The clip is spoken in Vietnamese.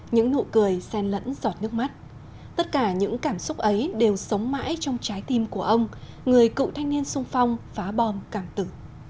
những nụ cười sen lẫn giọt nước mắt tất cả những cảm xúc ấy đều sống mãi trong trái tim của ông người cựu thanh niên sung phong phá bom cảm tử